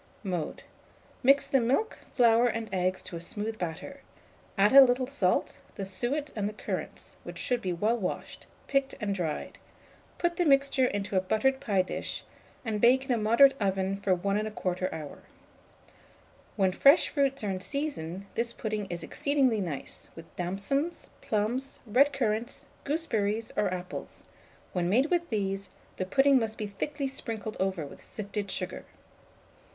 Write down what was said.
Mode. Mix the milk, flour, and eggs to a smooth batter; add a little salt, the suet, and the currants, which should be well washed, picked, and dried; put the mixture into a buttered pie dish, and bake in a moderate oven for 1 1/4 hour. When fresh fruits are in season, this pudding is exceedingly nice, with damsons, plums, red currants, gooseberries, or apples; when made with these, the pudding must be thickly sprinkled over with sifted sugar.